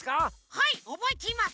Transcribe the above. はいおぼえています！